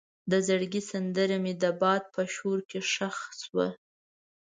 د زړګي سندره مې د باد په شور کې ښخ شوه.